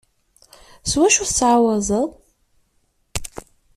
S wacu tettɛawazeḍ?